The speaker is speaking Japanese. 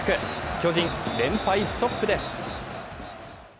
巨人、連敗ストップです。